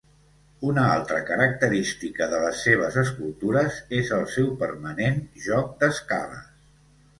Una altra característica de les seves escultures és el seu permanent joc d’escales.